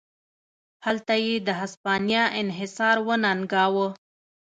هلته یې د هسپانیا انحصار وننګاوه.